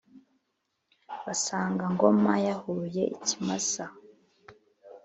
basanga Ngoma yahuye ikimasa,